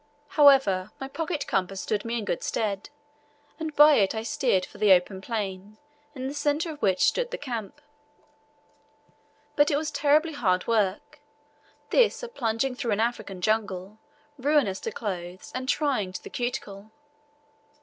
However, my pocket compass stood me in good stead; and by it I steered for the open plain, in the centre of which stood the camp. But it was terribly hard work this of plunging through an African jungle, ruinous to clothes, and trying to the cuticle.